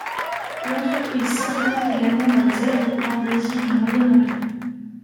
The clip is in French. L'entreprise s'implante également dans les aéroports d'Asie et du Moyen-Orient.